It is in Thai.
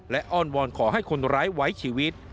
และอ้อนวอนขอให้คนร้ายไว้ชีวิต